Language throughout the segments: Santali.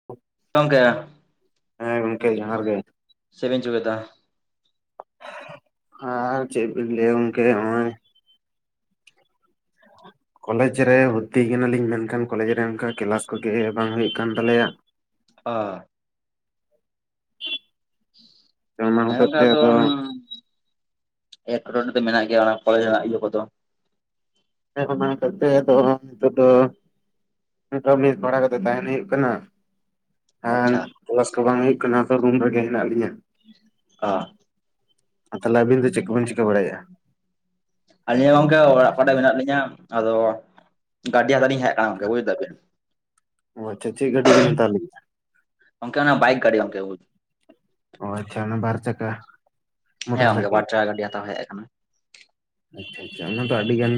[inaudible] [unintelligible] ᱦᱮᱸ ᱜᱚᱢᱠᱮ ᱡᱚᱦᱟᱨ ᱜᱮ ᱪᱮᱜ ᱵᱮᱱ ᱪᱤᱠᱟᱹᱭᱮᱫᱟ? ᱟᱨ ᱪᱮᱫ ᱵᱮᱱ ᱞᱟᱹᱭᱼᱟ ᱜᱚᱝᱠᱮ [inaudible] ᱠᱚᱞᱮᱡ ᱨᱮ ᱵᱷᱚᱨᱛᱤ ᱠᱟᱱᱟᱞᱤᱧ ᱢᱮᱱᱠᱷᱟᱱ ᱠᱚᱞᱮᱡ ᱨᱮ ᱚᱱᱠᱟ ᱠᱮᱞᱟᱥ ᱠᱚᱜᱮ ᱵᱟᱝ ᱦᱩᱭᱩᱜ ᱠᱟᱱ ᱛᱟᱞᱮᱭᱟ ᱚᱻ ᱚᱱᱟ ᱦᱮᱸ ᱦᱚᱛᱮᱡ ᱜᱚᱢᱠᱮ ᱛᱮ ᱟᱫᱚ ᱮᱴᱠᱮᱴᱚᱬᱮ ᱫᱚ ᱢᱮᱱᱟᱜ ᱜᱮᱭᱟ ᱚᱱᱟ ᱠᱚᱞᱮᱡᱽ ᱨᱮᱱᱟᱜ ᱤᱭᱟᱹ ᱠᱚᱫᱚ ᱟᱯᱮ ᱠᱚ ᱢᱟ [unintelligible] ᱫᱚᱦᱲᱟ ᱱᱤᱛᱚᱜ ᱫᱚ ᱱᱚᱝᱠᱟ ᱢᱮᱥ ᱵᱷᱟᱲᱟ ᱠᱟᱛᱮ ᱛᱟᱦᱮᱱ ᱦᱩᱭᱩᱜ ᱠᱟᱱᱟ ᱦᱮᱸ ᱟᱪᱪᱷᱟ ᱠᱞᱟᱥ ᱠᱚ ᱵᱟᱝ ᱦᱩᱭᱩᱜ ᱠᱟᱱᱟ ᱛᱚ ᱨᱩᱢ ᱨᱮᱜᱮ ᱦᱮᱱᱟᱜ ᱞᱤᱧᱟ ᱟ ᱟᱨ ᱛᱟᱦᱚᱞᱮ ᱟᱹᱵᱤᱱ ᱫᱚ ᱪᱮᱫ ᱠᱚᱵᱤᱱ ᱪᱤᱠᱟᱹ ᱵᱟᱲᱟᱭᱮᱜᱼᱟ? ᱟᱹᱞᱤᱧ ᱦᱚ ᱜᱚᱝᱠᱮ ᱚᱲᱟᱜ ᱠᱚᱨᱮ ᱢᱮᱱᱟᱜ ᱞᱤᱧᱟ ᱟᱫᱚ ᱜᱟᱰᱤ ᱦᱟᱛᱟᱣ ᱞᱤᱧ ᱦᱮᱡ ᱟᱠᱟᱱᱟ ᱜᱚᱝᱠᱮ ᱵᱩᱡᱽ ᱮᱫᱟ ᱵᱤᱱ ᱚ ᱟᱪᱪᱷᱟ ᱪᱮᱫ ᱜᱟᱹᱰᱤ ᱵᱤᱱ ᱦᱟᱛᱟᱣ ᱞᱟᱹᱜᱤᱫᱟ? ᱜᱚᱝᱠᱮ ᱚᱱᱟ ᱵᱟᱭᱤᱠ ᱜᱟᱹᱰᱤ ᱜᱚᱝᱠᱮ ᱚ ᱟᱪᱪᱷᱟ ᱚᱱᱟ ᱵᱟᱨ ᱪᱟᱠᱟ ᱦᱮᱸ ᱢᱚᱴᱚᱨ ᱜᱚᱝᱠᱮ ᱥᱟᱭᱠᱮᱞ ᱵᱟᱨ ᱪᱟᱠᱟ ᱜᱟᱰᱤ ᱦᱟᱛᱟᱣ ᱦᱮᱡ ᱟᱠᱟᱱᱟ ᱟᱪᱪᱷᱟ ᱟᱪᱪᱷᱟ ᱚᱱᱟ ᱫᱚ ᱟᱹᱰᱤ ᱜᱟᱱ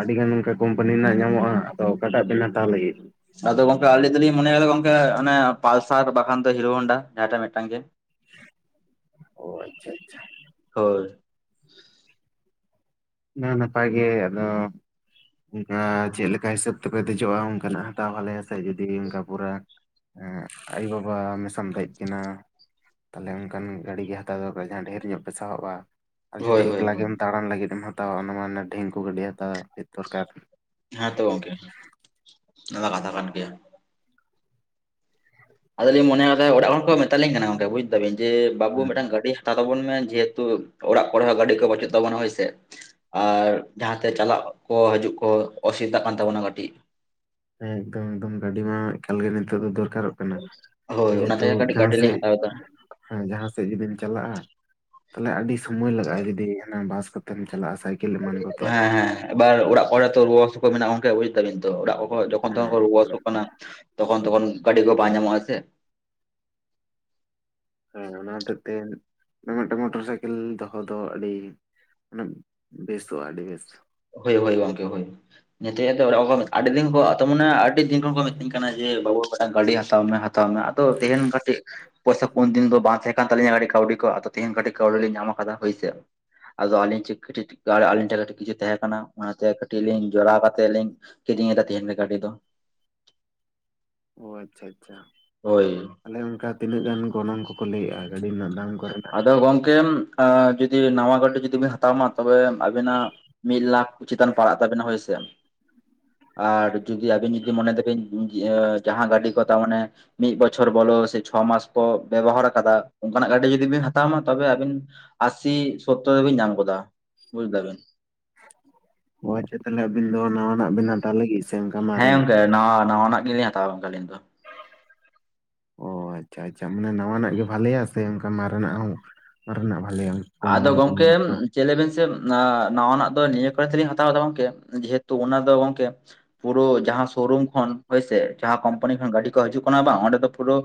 ᱟᱹᱰᱤ ᱜᱟᱱ ᱚᱝᱠᱟ ᱠᱳᱢᱯᱟᱱᱤ ᱨᱮᱱᱟᱜ ᱧᱟᱢᱚᱜᱼᱟ ᱟᱫᱚ ᱚᱠᱟᱴᱟᱜ ᱵᱮᱱ ᱦᱟᱛᱟᱣ ᱞᱟᱹᱜᱤᱫ ᱟᱫᱚ ᱜᱚᱝᱠᱮ ᱟᱞᱤ ᱫᱚᱞᱤᱧ ᱢᱚᱱᱮᱭ ᱠᱟᱫᱟ ᱜᱚᱝᱠᱮ ᱮ ᱚᱱᱮ ᱯᱟᱞᱥᱟᱨ ᱵᱟᱠᱷᱟᱱ ᱫᱚ ᱦᱤᱨᱳ ᱦᱚᱱᱰᱟ ᱡᱟᱦᱟᱸᱴᱟᱜ ᱢᱤᱫᱴᱟᱝ ᱜᱮ ᱚ ᱟᱪᱪᱷᱟ ᱟᱪᱪᱷᱟ ᱦᱳᱭ ᱚᱱᱟ ᱦᱚᱸ ᱱᱟᱯᱟᱭ ᱜᱮ ᱟᱫᱚ ᱚᱱᱠᱟ ᱪᱮᱫ ᱞᱮᱠᱟ ᱦᱤᱥᱟᱹᱵ ᱛᱮᱠᱚ ᱫᱮᱡᱚᱜᱼᱟ ᱚᱱᱠᱟᱱᱟᱜ ᱦᱟᱛᱟᱣ ᱵᱷᱟᱞᱮᱭᱟ ᱥᱮ ᱡᱩᱫᱤ ᱚᱱᱠᱟ ᱯᱩᱨᱟ ᱦᱩᱸ ᱟᱭᱩ ᱵᱟᱵᱟ ᱢᱮᱥᱟ ᱟᱢ ᱫᱮᱡ ᱠᱤᱱᱟ ᱛᱟᱦᱚᱞᱮ ᱚᱱᱠᱟᱱ ᱜᱟᱹᱰᱤ ᱜᱮ ᱦᱟᱛᱟᱣ ᱫᱚᱨᱠᱟᱨ ᱡᱟᱦᱟᱸ ᱰᱷᱮᱨ ᱧᱚᱜ ᱯᱮ ᱥᱟᱦᱚᱵᱼᱟ ᱟᱨ ᱦᱳᱭ ᱡᱩᱫᱤ ᱦᱳᱭ ᱮᱠᱞᱟ ᱦᱳᱭ ᱜᱮᱢ ᱫᱟᱲᱟᱱ ᱞᱟᱹᱜᱤᱫ ᱮᱢ ᱦᱟᱛᱟᱣᱟ ᱚᱱᱟ ᱢᱟ ᱚᱱᱮ ᱰᱷᱤᱝᱠᱩ ᱜᱟᱹᱰᱤ ᱦᱟᱛᱟᱣ ᱫᱚᱨᱠᱟᱨ ᱦᱮᱸ ᱛᱚ ᱜᱚᱝᱠᱮ ᱚᱱᱟᱢᱟ ᱠᱟᱛᱷᱟ ᱠᱟᱱ ᱜᱮᱭᱟ ᱟᱫᱚᱞᱤᱧ ᱢᱚᱱᱮᱭ ᱠᱟᱫᱟ ᱚᱲᱟᱜ ᱦᱚᱲ ᱠᱚ ᱢᱮᱛᱟᱞᱤᱧ ᱠᱟᱱᱟ ᱜᱚᱝᱠᱮ ᱵᱩᱡ ᱫᱟᱵᱤᱱ ᱡᱮ ᱵᱟᱹᱵᱩ ᱢᱤᱫᱴᱟᱝ ᱜᱟᱹᱰᱤ ᱛᱟ ᱛᱟᱵᱚᱱ ᱢᱮ ᱡᱮᱦᱮᱛᱩ ᱚᱲᱟᱜ ᱠᱚᱨᱮ ᱦᱚᱸ ᱜᱟᱹᱰᱤ ᱠᱚ ᱵᱟᱪᱩᱜ ᱛᱟᱵᱚᱱᱟ ᱦᱳᱭᱥᱮ ᱟᱨ ᱡᱟᱦᱟᱸ ᱛᱮ ᱪᱟᱞᱟᱜ ᱠᱚ ᱦᱤᱡᱩᱜ ᱠᱚ ᱚᱥᱩᱵᱤᱫᱟᱜ ᱠᱟᱱ ᱛᱟᱵᱚᱱᱟ ᱠᱟᱹᱴᱤᱡ ᱦᱮᱸ ᱮᱠᱫᱚᱢ ᱮᱠᱫᱚᱢ ᱜᱟᱹᱰᱤ ᱢᱟ ᱮᱠᱟᱞ ᱜᱮ ᱱᱤᱛᱚᱜ ᱫᱚ ᱫᱚᱨᱠᱟᱨᱚᱜ ᱠᱟᱱᱟ ᱦᱳᱭ ᱚᱱᱟᱛᱮ ᱡᱮᱦᱮᱛᱩ ᱠᱟᱹᱴᱤᱡ ᱡᱟᱦᱟᱸ ᱜᱟᱹᱰᱤ ᱞᱤᱧ ᱥᱮᱫ ᱦᱟᱛᱟᱣ ᱮᱫᱟ ᱦᱮᱸ ᱡᱟᱦᱟᱸ ᱥᱮᱫ ᱡᱩᱫᱤᱢ ᱪᱟᱞᱟᱜᱼᱟ ᱛᱟᱦᱚᱞᱮ ᱟᱹᱰᱤ ᱥᱚᱢᱚᱭ ᱞᱟᱜᱟᱜᱼᱟ ᱡᱩᱫᱤ ᱦᱟᱱᱮ ᱵᱟᱥ ᱠᱚᱛᱮ ᱛᱮᱢ ᱪᱟᱞᱟᱜᱼᱟ ᱥᱟᱭ ᱦᱮᱸ ᱦᱮᱸ ᱮᱵᱟᱨ ᱚᱲᱟᱜ ᱠᱚᱨᱮ ᱛᱚ ᱨᱩᱣᱟᱹ ᱦᱟᱹᱥᱩ ᱠᱚ ᱢᱮᱱᱟᱜ-ᱟ ᱜᱚᱝᱠᱮ ᱵᱩᱡ ᱫᱟᱵᱤᱱ ᱛᱚ ᱚᱲᱟᱜ ᱠᱚ ᱠᱚ ᱡᱚᱠᱷᱚᱱ ᱦᱮᱸ ᱛᱚᱠᱷᱚᱱ ᱠᱚ ᱨᱩᱣᱟᱹ ᱮᱠᱫᱚᱢ ᱦᱟᱹᱥᱩᱜ ᱠᱟᱱᱟ ᱛᱚᱠᱷᱚᱱ ᱛᱚᱠᱷᱚᱱ ᱜᱟᱹᱰᱤ ᱠᱚ ᱵᱟᱝ ᱧᱟᱢᱚᱜ-ᱟ ᱥᱮ ᱦᱮᱸ ᱚᱱᱟ ᱦᱚᱛᱮ ᱛᱮ ᱢᱤᱫᱴᱟᱝ ᱢᱚᱴᱚᱨ ᱥᱟᱭᱠᱮᱞ ᱫᱚᱦᱚ ᱫᱚ ᱟᱹᱰᱤ ᱢᱟᱱᱮ ᱵᱮᱥᱚᱜ-ᱟ ᱟᱹᱰᱤ ᱵᱮᱥ ᱦᱳᱭ ᱦᱳᱭ ᱜᱚᱢᱠᱮ ᱦᱳᱭ ᱤᱱᱟᱹ ᱛᱮᱜᱮ‌ ᱛᱚ ᱚᱲᱟᱜ ᱠᱚ ᱠᱚ ᱟᱹᱰᱤ ᱫᱤᱱ ᱠᱚᱜ ᱛᱟ ᱢᱟᱱᱮ ᱟᱹᱰᱤ ᱫᱤᱱ ᱠᱷᱚᱱ ᱠᱚ ᱢᱤᱛᱟᱹᱧ ᱠᱟᱱᱟ ᱡᱮ ᱵᱟᱹᱵᱩ ᱢᱤᱫᱴᱟᱝ ᱜᱟᱹᱰᱤ ᱦᱟᱛᱟᱣ ᱢᱮ ᱛᱟᱣ ᱢᱮ ᱟᱫᱚ ᱛᱟᱦᱮᱱ ᱠᱟᱹᱴᱤᱡ ᱯᱚᱭᱥᱟ ᱠᱚ ᱩᱱ ᱫᱤᱱ ᱫᱚ ᱵᱟᱝ ᱛᱟᱦᱮᱸ ᱠᱟᱱ ᱛᱟᱹᱞᱤᱧᱟ ᱠᱟᱹᱴᱤᱡ ᱠᱟᱹᱣᱰᱤ ᱠᱚ ᱟᱫᱚ ᱛᱮᱦᱮᱧ ᱠᱟᱹᱴᱤᱡ ᱠᱟᱹᱣᱰᱤ ᱞᱤᱧ ᱧᱟᱢ ᱟᱠᱟᱫᱟ ᱦᱳᱭ ᱥᱮ ᱟᱫᱚ ᱟᱹᱞᱤᱧ ᱪᱤᱠ ᱠᱟᱹᱴᱤᱡ ᱠᱤᱪᱷᱩ ᱛᱟᱦᱮᱠᱟᱱᱟ ᱠᱟᱱᱟ ᱚᱱᱟᱛᱮ ᱠᱟᱹᱴᱤᱡ ᱞᱤᱧ ᱡᱚᱲᱟᱣ ᱠᱟᱛᱮ ᱞᱤᱧ ᱠᱤᱨᱤᱧ ᱮᱫᱟ ᱛᱮᱦᱮᱧ ᱜᱮ ᱜᱟᱹᱰᱤ ᱫᱚ ᱚ ᱟᱪᱪᱷᱟ ᱟᱪᱪᱷᱟ ᱦᱳᱭ ᱟᱞᱮ ᱚᱱᱠᱟ ᱛᱤᱱᱟᱹᱜ ᱜᱟᱱ ᱜᱚᱱᱚᱝ ᱠᱚᱠᱚ ᱞᱟᱹᱭᱮᱜ-ᱟ ᱜᱟᱹᱰᱤ ᱨᱮᱱᱟᱜ ᱫᱟᱢ ᱠᱚ ᱨᱮᱱᱟᱜ ᱛᱚ ᱜᱚᱝᱠᱮᱢ ᱡᱩᱫᱤ ᱱᱟᱣᱟ ᱜᱟᱹᱰᱤ ᱡᱩᱫᱤ ᱵᱤᱱ ᱦᱟᱛᱣᱢᱟ ᱛᱚᱵᱮ ᱟᱵᱤᱱᱟᱜ ᱢᱤᱫ ᱞᱟᱠᱷ ᱪᱮᱛᱟᱱ ᱯᱟᱲᱟᱜ ᱛᱟᱵᱮᱱᱟ ᱦᱳᱭ ᱥᱮ [inaudible] ᱟᱨ ᱡᱩᱫᱤ ᱟᱵᱤᱱ ᱡᱩᱫᱤ ᱢᱚᱱᱮ ᱫᱟᱵᱤᱱ ᱡᱟᱦᱟᱸ ᱜᱟᱹᱰᱤ ᱠᱚ ᱛᱟᱢᱟᱱᱮ ᱢᱤᱫ ᱵᱚᱪᱷᱚᱨ ᱵᱚᱞᱚ ᱥᱮ ᱪᱷᱚ ᱢᱟᱥ ᱠᱚ ᱵᱮᱵᱚᱦᱟᱨ ᱠᱟᱫᱟ ᱠᱟᱱᱟᱜ ᱜᱟᱹᱰᱤ ᱡᱩᱫᱤ ᱵᱤᱱ ᱦᱟᱛᱣᱟ ᱢᱟ ᱛᱚᱵᱮ ᱟᱹᱵᱤᱱ ᱟᱥᱤ ᱥᱳᱛᱛᱚᱨ ᱨᱮᱵᱤᱱ ᱧᱟᱢ ᱜᱚᱫᱟ ᱵᱩᱡ ᱫᱟᱵᱤᱱ ᱚ ᱟᱪᱪᱷᱟ ᱛᱟᱦᱚᱞᱮ ᱟᱵᱤᱱ ᱫᱚ ᱱᱟᱣᱟᱱᱟᱜ ᱵᱤᱱ ᱦᱟᱛᱟᱣ ᱞᱟᱹᱜᱤᱫ ᱥᱮ ᱚᱱᱠᱟ ᱦᱮᱸ ᱢᱟᱨᱮᱱᱟᱜ ᱜᱚᱝᱠᱮ ᱱᱟᱣᱟ ᱱᱟᱣᱟᱱᱟᱜ ᱜᱮᱞᱤᱧ ᱦᱟᱛᱟᱣᱟ ᱜᱚᱝᱠᱮ ᱟᱹᱞᱤᱧ ᱫᱚ ᱚ ᱟᱪᱪᱷᱟ ᱟᱪᱪᱷᱟ ᱢᱟᱱᱮ ᱱᱟᱣᱟᱱᱟᱜ ᱜᱮ ᱵᱷᱟᱞᱮᱭᱟ ᱥᱮ ᱚᱱᱠᱟ ᱢᱟᱨᱱᱟᱜ ᱦᱚᱸ ᱢᱟᱨᱮᱱᱟᱜ ᱵᱷᱟᱞᱮᱭᱟ ᱠᱚᱢ ᱟᱫᱚ ᱫᱟᱢ ᱛᱮ ᱜᱚᱝᱠᱮᱢ ᱧᱟᱢᱚᱜ ᱫᱚ ᱪᱮ ᱞᱮᱵᱮᱱ ᱥᱮ ᱱᱟᱣᱟᱱᱟᱜ ᱫᱚ ᱱᱤᱭᱟᱹ [unintelligible] ᱛᱮᱞᱤᱧ ᱦᱟᱛᱟᱣ ᱫᱟ ᱜᱚᱝᱠᱮ ᱡᱮᱦᱮᱛᱩ ᱚᱱᱟ ᱫᱚ ᱜᱚᱝᱠᱮ ᱯᱩᱨᱳ ᱡᱟᱦᱟᱸ ᱥᱳ ᱨᱩᱢ ᱠᱷᱚᱱ ᱦᱳᱭᱥᱮ ᱡᱟᱦᱟᱸ ᱠᱳᱢᱯᱟᱱᱤ ᱠᱷᱚᱱ ᱜᱟᱹᱰᱤ ᱠᱚ ᱦᱤᱡᱩᱜ ᱠᱟᱱᱟ ᱵᱟᱝ ᱚᱸᱰᱮ ᱫᱚ ᱯᱩᱨᱳ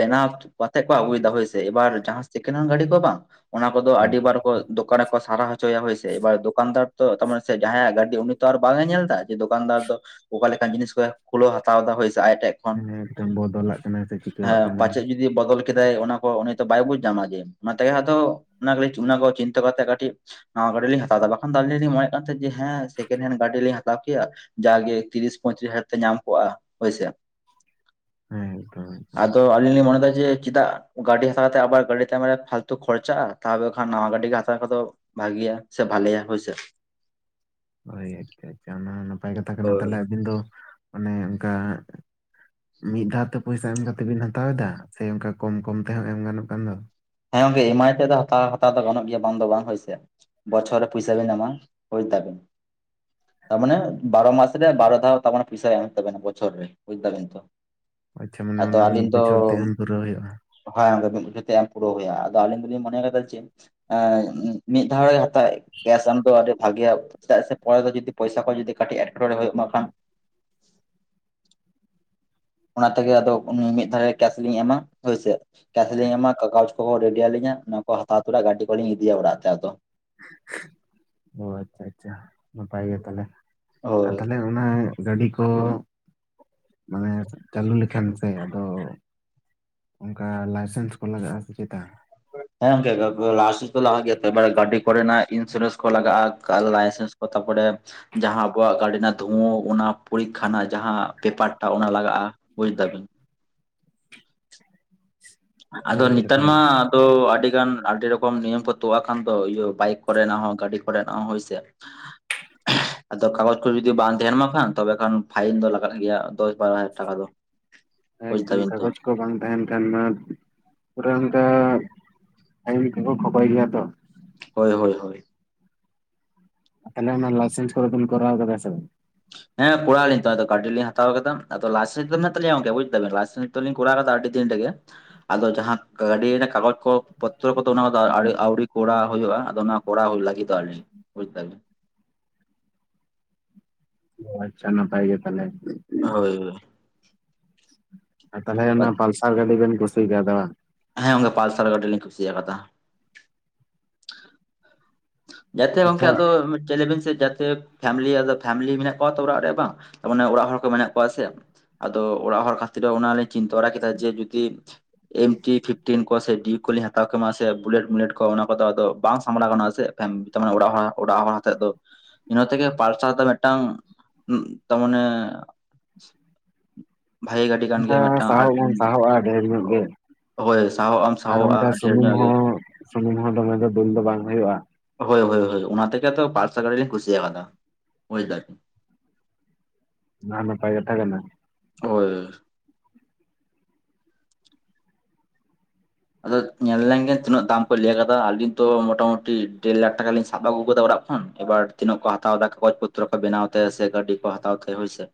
ᱵᱮᱱᱟᱣ ᱠᱟᱛᱮ ᱠᱚ ᱟᱹᱜᱩᱭ ᱫᱟ ᱦᱳᱭ ᱥᱮ ᱮᱵᱟᱨ ᱡᱟᱦᱟᱸ ᱥᱮᱠᱮᱱ ᱦᱮᱱ ᱜᱟᱹᱰᱤ ᱠᱚ ᱵᱟᱝ ᱚᱱᱟ ᱠᱚᱫᱚ ᱟᱹᱰᱤ ᱦᱮᱸ ᱵᱟᱨ ᱠᱚ ᱫᱚᱠᱟᱱ ᱨᱮᱠᱚ ᱥᱟᱨᱟ ᱦᱚᱪᱚ ᱪᱚᱭᱟ ᱦᱳᱭ ᱥᱮ ᱮᱵᱟᱨ ᱫᱚᱠᱟᱱᱫᱟᱨ ᱛᱚ ᱟᱨ ᱡᱟᱦᱟᱸᱭᱟᱜ ᱜᱟᱹᱰᱤ ᱩᱱᱤ ᱛᱚ ᱟᱨ ᱵᱟᱝ ᱮ ᱧᱮᱞ ᱮᱫᱟᱭ ᱫᱚᱠᱟᱱᱫᱟᱨ ᱫᱚ ᱾ ᱚᱠᱟ ᱞᱮᱠᱟᱱ ᱡᱤᱱᱤᱥ ᱠᱚᱭ ᱠᱷᱩᱞᱟᱹᱣ ᱦᱟᱛᱟᱣ ᱫᱟ ᱦᱳᱭ ᱥᱮ ᱟᱡ ᱴᱷᱮᱡ ᱾ ᱦᱮᱸ ᱛᱚ ᱵᱚᱫᱚᱞᱟᱜ ᱠᱟᱱᱟᱭ ᱥᱮ ᱪᱤᱠᱟᱹᱣᱟᱜ ᱠᱟᱱᱟᱭ ᱾ ᱫᱤᱭᱮ ᱵᱚᱫᱚᱞ ᱠᱮᱫᱟᱭ ᱚᱱᱟ ᱠᱚ ᱩᱱᱤ ᱛᱚ ᱵᱟᱭ ᱵᱩᱡ ᱧᱟᱢᱟ ᱡᱮ ᱚᱱᱟ ᱛᱮᱜᱮ ᱦᱚᱭᱛᱚ ᱚᱱᱟ ᱚᱱᱟ ᱠᱚ ᱪᱤᱱᱛᱟᱹ ᱠᱟᱛᱮ ᱠᱟᱹᱴᱤᱡ ᱱᱟᱣᱟ ᱜᱟᱰᱤ ᱞᱤᱧ ᱦᱟᱛᱟᱣ ᱮᱫᱟ ᱵᱟᱠᱷᱟᱱ ᱛᱚ ᱟᱹᱞᱤᱧ ᱡᱮ ᱦᱮᱸ ᱥᱮᱠᱮᱱᱰ ᱦᱮᱱᱰ ᱜᱟᱹᱰᱤ ᱞᱤᱧ ᱦᱟᱛᱟᱣ ᱦᱟᱛᱟᱣ ᱠᱮᱭᱟ ᱡᱟᱜᱮ ᱛᱤᱨᱤᱥ ᱯᱚᱸᱭᱛᱨᱤᱥ ᱦᱟᱡᱟᱨ ᱛᱮ ᱧᱟᱢ ᱠᱚᱜᱼᱟ ᱦᱳᱭᱥᱮ ᱾ ᱦᱮᱸ ᱮᱠᱫᱚᱢ ᱮᱠᱫᱚᱢ ᱟᱫᱚ ᱟᱞᱤᱧ ᱞᱤᱧ ᱢᱟᱱᱮ ᱮᱫᱟ ᱡᱮ ᱪᱮᱫᱟᱜ ᱜᱟᱹᱰᱤ ᱦᱟᱛᱟᱣ ᱛᱮ ᱟᱵᱟᱨ ᱜᱟᱹᱰᱤ ᱛᱟᱭᱚᱢ ᱨᱮ ᱯᱷᱟᱞᱛᱩ ᱠᱷᱚᱨᱪᱟᱜᱼᱟ ᱾ ᱛᱟᱦᱚᱵᱮᱠᱷᱟᱱ ᱱᱟᱣᱟ ᱜᱟᱹᱰᱤ ᱜᱮ ᱦᱟᱛᱟᱣ ᱠᱚᱫᱚ ᱵᱷᱟᱜᱤᱭᱟ ᱥᱮ ᱵᱷᱟᱞᱮᱭᱟ ᱦᱳᱭᱥᱮ ᱾ ᱦᱳᱭ, ᱟᱪᱪᱷᱟ ᱟᱪᱪᱷᱟ ᱾ ᱚᱱᱟ ᱦᱚᱸ ᱱᱟᱯᱟᱭ ᱠᱟᱛᱷᱟ ᱠᱟᱱᱟ ᱦᱳᱭ ᱛᱟᱦᱚᱞᱮ ᱟᱹᱵᱤᱱ ᱫᱚ ᱢᱟᱱᱮ ᱚᱱᱠᱟ ᱢᱤᱫ ᱫᱷᱟᱹᱣ ᱛᱮ ᱯᱚᱭᱥᱟᱹ ᱮᱢ ᱠᱟᱛᱮ ᱵᱤᱱ ᱦᱟᱛᱟᱣ ᱮᱫᱟ, ᱥᱮ ᱚᱱᱠᱟ ᱠᱚᱢ ᱠᱚᱢ ᱛᱮᱦᱚᱸ ᱮᱢ ᱜᱟᱱᱚᱜ ᱠᱟᱱ ᱫᱚ ᱾ ᱦᱮᱸ, ᱜᱚᱝᱠᱮ ᱮᱢᱟᱭ ᱛᱮ ᱫᱚ ᱦᱟᱛᱟᱣ ᱫᱚ ᱜᱟᱱᱚᱜ ᱜᱮᱭᱟ ᱵᱟᱝ ᱫᱚ ᱵᱟᱝ ᱦᱳᱭᱥᱮ ᱾ ᱵᱚᱪᱷᱚᱨ ᱨᱮ ᱯᱩᱭᱥᱟᱹ ᱵᱤᱱ ᱮᱢᱟ ᱵᱩᱡ ᱫᱟᱵᱮᱱ ᱾ ᱛᱟᱨ ᱢᱟᱱᱮ ᱵᱟᱨᱚ ᱢᱟᱥ ᱨᱮ ᱵᱟᱨᱚ ᱫᱷᱟᱣ ᱛᱟᱨᱢᱟᱱᱮ ᱯᱚᱭᱥᱟᱹ ᱮᱢ ᱦᱩᱭᱩᱜ ᱛᱟᱵᱮᱱᱟ ᱵᱚᱪᱷᱚᱨ ᱨᱮ ᱵᱩᱡ ᱫᱟᱵᱮᱱ ᱛᱚ ᱾ ᱟᱪᱪᱷᱟ, ᱢᱟᱱᱮ ᱚᱱᱟ ᱢᱤᱫ ᱵᱚᱪᱷᱚᱨ ᱛᱮ ᱮᱢ ᱯᱩᱨᱟᱹᱣ ᱦᱩᱭᱩᱜᱼᱟ ᱾ ᱦᱳᱭ, ᱚᱱᱟ ᱢᱤᱫ ᱵᱚᱪᱷᱚᱨ ᱛᱮ ᱮᱢ ᱯᱩᱨᱟᱹᱣ ᱦᱩᱭᱩᱜᱼᱟ ᱟᱫᱚ ᱟᱹᱞᱤᱧ ᱫᱚᱞᱤᱧ ᱢᱚᱱᱮ ᱠᱟᱫᱟ ᱪᱮ ᱢᱤᱫ ᱫᱷᱟᱣ ᱨᱮ ᱦᱟᱛᱟᱣ ᱠᱮᱥ ᱟᱢ ᱫᱚ ᱟᱹᱰᱤ ᱵᱷᱟᱜᱮᱭᱟ, ᱪᱮᱫᱟᱜ ᱥᱮ ᱯᱚᱨᱮ ᱫᱚ ᱡᱩᱫᱤ ᱯᱚᱭᱥᱟᱹ ᱠᱚ ᱡᱩᱫᱤ ᱠᱟᱹᱴᱤᱡ ᱮᱴᱠᱮᱴᱚᱰᱮ ᱦᱩᱭᱩᱜ ᱢᱟ ᱠᱷᱟᱱ ᱚᱱᱟ ᱛᱮᱜᱮ ᱟᱫᱚ ᱩᱱᱤ ᱢᱤᱫ ᱫᱷᱟᱨᱮ ᱠᱮᱥ ᱞᱤᱧ ᱮᱢᱟ ᱦᱳᱭᱥᱮ ᱾ ᱠᱮᱥ ᱞᱤᱧ ᱮᱢᱟ ᱠᱟᱜᱚᱡᱽ ᱠᱚ ᱨᱮᱰᱤ ᱟᱹᱞᱤᱧᱟ ᱚᱱᱟ ᱠᱚ ᱦᱟᱛᱟᱣ ᱩᱛᱟᱹᱨᱟ ᱜᱟᱹᱰᱤ ᱠᱚᱞᱤᱧ ᱤᱫᱤᱭᱟ ᱚᱲᱟᱜ ᱛᱮ ᱟᱫᱚ ᱾ ᱚ ᱟᱪᱪᱷᱟ ᱟᱪᱪᱷᱟ ᱾ ᱱᱟᱯᱟᱭ ᱜᱮ ᱛᱟᱦᱚᱞᱮ ᱟᱨ ᱦᱳᱭ ᱛᱟᱦᱚᱞᱮ ᱚᱱᱟ ᱜᱟᱹᱰᱤ ᱠᱚ ᱢᱟᱱᱮ ᱪᱟᱹᱞᱩ ᱞᱮᱠᱷᱟᱱ ᱥᱮ ᱟᱫᱚ ᱚᱱᱠᱟ ᱞᱟᱭᱥᱮᱱᱥ ᱠᱚ ᱞᱟᱜᱟᱜᱼᱟ ᱥᱮ ᱪᱮᱛᱟ? ᱦᱮᱸ, ᱜᱚᱝᱠᱮ ᱞᱟᱭᱥᱮᱱᱥ ᱠᱚ ᱞᱟᱜᱟᱜ ᱜᱮᱭᱟ ᱥᱮ ᱜᱟᱹᱰᱤ ᱠᱚᱨᱮ ᱚᱱᱟ ᱤᱱᱥᱩᱨᱮᱱᱥ ᱠᱚ ᱞᱟᱜᱟᱜᱼᱟ ᱞᱟᱭᱥᱮᱱᱥ ᱠᱚ ᱛᱟᱯᱚᱨᱮ ᱡᱟᱦᱟᱸ ᱟᱵᱚᱣᱟᱜ ᱜᱟᱹᱰᱤ ᱨᱮᱱᱟᱜ ᱫᱷᱩᱣᱟᱹ ᱚᱱᱟ ᱯᱚᱨᱤᱠᱷᱟ ᱨᱮᱱᱟᱜ ᱡᱟᱦᱟᱸ ᱯᱮᱯᱟᱨ ᱴᱟᱜ ᱚᱱᱟ ᱞᱟᱜᱟᱜᱼᱟ ᱾ ᱵᱩᱡ ᱫᱟᱵᱮᱱ ᱚ ᱟᱫᱚ ᱟᱪᱪᱷᱟ ᱱᱮᱛᱟᱨ ᱢᱟ ᱛᱟᱦᱚᱞᱮ ᱫᱚ ᱟᱹᱰᱤ ᱜᱟᱱ ᱟᱹᱰᱤ ᱨᱚᱠᱚᱢ ᱱᱤᱭᱚᱢ ᱠᱚ ᱛᱳᱜ ᱟᱠᱟᱱ ᱫᱚ ᱵᱟᱭᱤᱠ ᱠᱚᱨᱮᱱᱟᱜ ᱦᱚᱸ ᱜᱟᱹᱰᱤ ᱠᱚᱨᱮᱱᱟᱜ ᱦᱚᱸ ᱦᱳᱭᱥᱮ ᱾ [inaudible] [inaudible] ᱟᱫᱚ ᱠᱟᱜᱚᱡᱽ ᱠᱚ ᱡᱩᱫᱤ ᱵᱟᱝ ᱛᱟᱦᱮᱱ ᱢᱟ ᱠᱷᱟᱱ, ᱛᱚᱵᱮ ᱠᱷᱟᱱ ᱯᱷᱟᱭᱤᱱ ᱫᱚ ᱞᱟᱜᱟᱜ ᱜᱮᱭᱟ ᱫᱚᱥ ᱵᱟᱨᱚ ᱦᱟᱡᱟᱨ ᱴᱟᱠᱟ ᱫᱚ ᱾ ᱮᱠᱫᱚᱢ ᱠᱟᱜᱚᱡᱽ ᱠᱚ ᱵᱟᱝ ᱛᱟᱦᱮᱱ ᱠᱷᱟᱱ ᱢᱟ ᱯᱩᱨᱟᱢ ᱛᱚ ᱟᱭᱰᱤ ᱠᱚ ᱠᱷᱚᱠᱚᱭ ᱜᱮᱭᱟ ᱛᱚ ᱾ ᱦᱳᱭ ᱦᱳᱭ ᱦᱳᱭ ᱾ ᱛᱟᱦᱞᱮ ᱚᱱᱟ ᱞᱟᱭᱥᱮᱱᱥ ᱠᱚ ᱵᱮᱱ ᱠᱚᱨᱟᱣ ᱟᱠᱟᱫᱟ ᱥᱮ ᱵᱟᱝ? ᱦᱮᱸ ᱠᱚᱨᱟᱣ ᱟᱹᱞᱤᱧ ᱛᱚ ᱜᱟᱹᱰᱤ ᱞᱤᱧ ᱦᱟᱛᱟᱣ ᱠᱮᱫᱟ ᱟᱫᱚ ᱞᱟᱭᱥᱮᱱᱥ ᱫᱚ ᱢᱮᱱᱟᱜ ᱛᱟᱹᱞᱤᱧᱟ ᱜᱚᱝᱠᱮ, ᱵᱩᱡ ᱫᱟᱵᱤᱱ ᱞᱟᱭᱥᱮᱱᱥ ᱛᱚᱞᱤᱧ ᱠᱚᱨᱟᱣ ᱠᱟᱫᱟ ᱟᱹᱰᱤ ᱫᱤᱱ ᱨᱮ ᱜᱮ ᱾ ᱟᱫᱚ ᱡᱟᱦᱟᱸ ᱜᱟᱹᱰᱤ ᱨᱮᱱᱟᱜ ᱠᱟᱜᱚᱡᱽ ᱠᱚ ᱯᱚᱛᱨᱚ ᱠᱚᱫᱚ ᱚᱱᱟ ᱠᱚ ᱟᱹᱣᱲᱤ ᱠᱚᱲᱟᱣ ᱦᱩᱭᱩᱜᱼᱟ ᱟᱫᱚ ᱚᱱᱟ ᱠᱚᱲᱟᱣ ᱦᱩᱭ ᱞᱟᱹᱜᱤᱫ ᱫᱚ ᱞᱤᱧ ᱵᱩᱡ ᱫᱟᱵᱤᱱ ᱾ ᱚ ᱟᱪᱪᱷᱟ, ᱱᱟᱯᱟᱭ ᱜᱮ ᱛᱟᱦᱚᱞᱮ ᱾ ᱦᱳᱭ ᱦᱳᱭ ᱾ ᱛᱟᱦᱚᱞᱮ ᱚᱱᱟ ᱦᱳᱭ ᱯᱟᱞᱥᱟᱨ ᱜᱟᱹᱰᱤ ᱵᱮᱱ ᱠᱩᱥᱤᱭ ᱠᱟᱣ ᱫᱟ ᱵᱟᱝ? ᱦᱮᱸ ᱜᱚᱝᱠᱮ, ᱚᱱᱠᱟ ᱯᱟᱞᱥᱟᱨ ᱜᱟᱹᱰᱤ ᱞᱤᱧ ᱠᱩᱥᱤᱭᱟᱠᱟᱫᱟ ᱾ ᱡᱟᱛᱮ ᱜᱚᱝᱠᱮ ᱟᱪᱪᱷᱟ ᱟᱫᱚ ᱪᱮ ᱞᱟᱹᱭ ᱵᱤᱱ ᱥᱮ ᱡᱟᱛᱮ ᱯᱷᱮᱢᱞᱤ ᱟᱫᱚ ᱯᱷᱮᱢᱮᱞᱤ ᱢᱮᱱᱟᱜ ᱠᱚᱣᱟ ᱛᱚ ᱚᱲᱟᱜ ᱨᱮ ᱵᱟᱝ ᱢᱟᱱᱮ ᱚᱲᱟᱜ ᱦᱚᱲ ᱠᱚ ᱢᱮᱱᱟᱜ ᱠᱚᱣᱟ ᱥᱮ ᱾ ᱟᱫᱚ ᱚᱲᱟᱜ ᱦᱚᱲ ᱠᱷᱟᱹᱛᱤᱨ ᱚᱱᱟ ᱞᱤᱧ ᱪᱤᱱᱛᱟᱹ ᱵᱟᱲᱟ ᱠᱮᱫᱟ ᱡᱮ ᱡᱩᱫᱤ ᱮᱢ ᱴᱤ ᱯᱷᱤᱯᱴᱤᱱ ᱠᱚ ᱥᱮ ᱰᱤᱭᱩᱠ ᱠᱚᱞᱤᱧ ᱦᱟᱛᱟᱣ ᱠᱮᱢᱟ ᱥᱮ ᱵᱩᱞᱮᱴ ᱢᱩᱞᱮᱴ ᱠᱚ ᱚᱱᱟ ᱠᱚᱫᱚ ᱟᱫᱚ ᱵᱟᱝ ᱥᱟᱢᱵᱟᱲᱟᱣ ᱜᱟᱱᱚᱜᱼᱟ ᱥᱮ ᱾ ᱛᱟ ᱢᱟᱱᱮ ᱚᱲᱟᱜ ᱦᱚᱲᱟᱜ ᱚᱲᱟᱜ ᱦᱚᱲ ᱟᱛᱮ ᱫᱚ ᱤᱱᱟᱹ ᱛᱮᱜᱮ ᱯᱟᱞᱥᱟᱨ ᱫᱚ ᱢᱮᱫᱴᱟᱝ ᱛᱟᱨᱢᱟᱱᱮ ᱵᱷᱟᱜᱮ ᱜᱟᱹᱰᱤ ᱠᱟᱱ ᱚᱱᱠᱟ ᱜᱮᱭᱟ ᱢᱤᱫᱴᱟᱝ ᱟᱨ ᱥᱟᱦᱚᱵ ᱦᱚᱢ ᱥᱟᱦᱚᱵᱼᱟ ᱰᱷᱮᱨ ᱧᱚᱜ ᱜᱮ ᱦᱳᱭ ᱥᱟᱦᱚᱵ ᱟᱢ ᱟᱨ ᱥᱟᱦᱚᱵᱼᱟ ᱚᱱᱠᱟ ᱰᱷᱮᱨ ᱥᱩᱱᱩᱢ ᱧᱚᱜ ᱜᱮ ᱦᱚᱸ ᱥᱩᱱᱩᱢ ᱦᱚᱸ ᱫᱚᱢᱮ ᱫᱚ ᱫᱩᱞ ᱫᱚ ᱵᱟᱝ ᱦᱩᱭᱩᱜᱼᱟ ᱦᱳᱭ ᱦᱳᱭ ᱦᱳᱭ ᱚᱱᱟ ᱛᱮᱜᱮ ᱛᱚ ᱯᱟᱞᱥᱟᱨ ᱜᱟᱹᱰᱤ ᱞᱤᱧ ᱠᱩᱥᱤᱭᱟᱠᱟᱫᱟ ᱵᱩᱡ ᱫᱟ ᱟᱨᱠᱤ ᱚᱱᱟ ᱦᱚᱸ ᱱᱟᱯᱟᱭ ᱠᱟᱛᱷᱟ ᱠᱟᱱᱟ ᱦᱳᱭ ᱟᱫᱚ ᱧᱮᱞ ᱞᱮᱱ ᱜᱮ ᱛᱤᱱᱟᱹᱜ ᱫᱟᱢ ᱠᱚ ᱞᱟᱹᱭ ᱟᱠᱟᱫᱟ ᱟᱹᱞᱤᱧ ᱛᱚ ᱢᱚᱴᱟᱢᱩᱴᱤ ᱰᱮᱲ ᱞᱟᱠᱷ ᱴᱟᱠᱟ ᱞᱤᱧ ᱥᱟᱵ ᱟᱹᱜᱩ ᱟᱠᱟᱫᱟ ᱚᱲᱟᱜ ᱠᱷᱚᱱ ᱮᱵᱟᱨ ᱛᱤᱱᱟᱹᱜ ᱠᱚ ᱦᱟᱛᱟᱣ ᱫᱟ ᱠᱟᱜᱚᱡᱽ ᱯᱚᱛᱨᱚ ᱠᱚ ᱵᱮᱱᱟᱣ ᱛᱮ ᱥᱮ ᱜᱟᱹᱰᱤ ᱠᱚ ᱦᱟᱛᱟᱣ ᱛᱮ ᱦᱳᱭ ᱥᱮ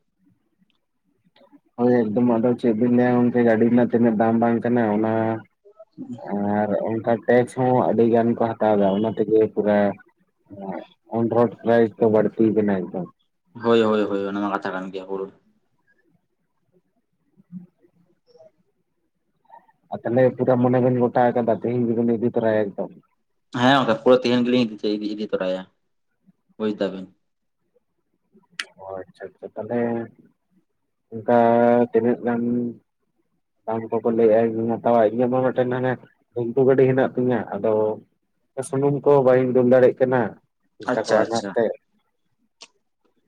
ᱦᱳᱭ ᱮᱠᱫᱚᱢ ᱟᱫᱚ ᱪᱮᱫ ᱵᱤᱱ ᱞᱟᱹᱭᱟ ᱜᱚᱝᱠᱮ ᱜᱟᱹᱰᱤ ᱨᱮᱱᱟᱜ ᱛᱤᱱᱟᱹᱜ ᱫᱟᱢ ᱵᱟᱝ ᱠᱟᱱᱟ ᱚᱱᱟ [inaudible] ᱟᱨ ᱚᱱᱠᱟ ᱴᱮᱠᱥ ᱦᱚᱸ ᱟᱹᱰᱤ ᱜᱟᱱ ᱠᱚ ᱦᱟᱛᱟᱣ ᱮᱫᱟ ᱚᱱᱟ ᱛᱮᱜᱮ ᱯᱩᱨᱟ ᱦᱮᱸ ᱚᱱ ᱨᱳᱰ ᱯᱨᱟᱭᱤᱥ ᱫᱚ ᱵᱟᱹᱲᱛᱤ ᱟᱵᱤᱱᱟ ᱮᱠᱫᱚᱢ ᱦᱳᱭ ᱦᱳᱭ ᱦᱳᱭ ᱚᱱᱟ ᱢᱟ ᱠᱟᱛᱷᱟ ᱠᱟᱱ ᱜᱮᱭᱟ ᱩᱨᱩᱢ ᱟᱫ ᱛᱟᱦᱞᱮ ᱯᱩᱨᱟ ᱢᱚᱱᱮ ᱵᱮᱱ ᱜᱚᱴᱟ ᱟᱠᱟᱫᱟ ᱛᱤᱦᱤᱧ ᱜᱮ ᱵᱤᱱ ᱤᱫᱤ ᱛᱚᱨᱟᱭᱟ ᱮᱠᱫᱚᱢ ᱦᱮᱸ ᱜᱚᱝᱠᱮ ᱯᱩᱨᱟᱹ ᱛᱤᱦᱤᱧ ᱜᱮᱞᱤᱧ ᱤᱫᱤ ᱛᱚᱨᱟᱭᱟ ᱵᱩᱡᱽ ᱫᱟ ᱵᱤᱱ ᱚ ᱟᱪᱪᱷᱟ ᱟᱪᱪᱷᱟ ᱛᱟᱦᱞᱮ ᱚᱱᱠᱟ ᱛᱤᱱᱟᱹᱜ ᱜᱟᱱ ᱫᱟᱢ ᱠᱚ ᱠᱚ ᱞᱟᱹᱭᱮᱫᱟ ᱤᱧ ᱦᱚᱧ ᱦᱟᱛᱟᱣᱟ ᱤᱧᱟᱹᱜ ᱢᱟ ᱢᱮᱫᱴᱮᱱ ᱦᱟᱱᱮ ᱰᱷᱤᱝᱠᱩ ᱜᱟᱹᱰᱤ ᱦᱮᱱᱟᱜ ᱛᱤᱧᱟᱹ ᱟᱫᱚ ᱥᱩᱱᱩᱢ ᱠᱚ ᱵᱟᱹᱧ ᱫᱩᱞ ᱫᱟᱲᱮᱭᱟᱜ ᱠᱟᱱᱟ ᱯᱩᱭᱥᱟ ᱠᱚ ᱟᱪᱪᱷᱟ ᱟᱱᱟᱴ ᱟᱪᱪᱷᱟ ᱛᱮ